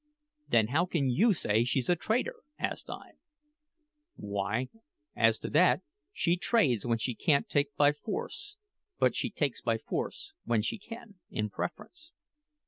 "Then how can you say she's a trader?" asked I. "Why, as to that, she trades when she can't take by force; but she takes by force when she can, in preference.